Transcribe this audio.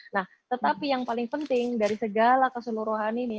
nah tetapi yang paling penting dari segala keseluruhan ini